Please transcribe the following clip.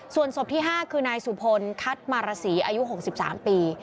ส่วนศพที่๕คือนายสุพลคัทมารสีอายุ๖๓ปี